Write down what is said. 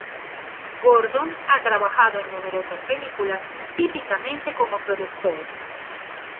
Gordon ha trabajado en numerosas películas, típicamente como productor.